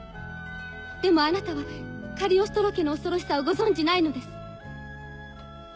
でもあなたはカリオストロ家の恐ろしさをご存じないのです。